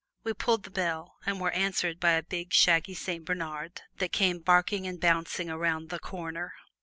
We pulled the bell and were answered by a big shaggy Saint Bernard that came barking and bouncing around the corner.